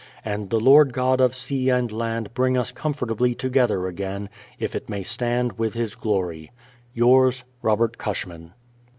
And the Lord God of sea and land bring us comfortably together again, if it may stand with His glory. Yours, ROBERT CUSHMAN.